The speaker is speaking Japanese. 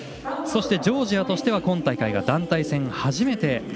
そして、ジョージアとしては今大会が団体戦初めて。